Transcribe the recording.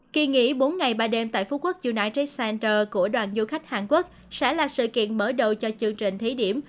kỳ nghỉ bốn ngày ba đêm tại phú quốc uni jec center của đoàn du khách hàn quốc sẽ là sự kiện mở đầu cho chương trình thí điểm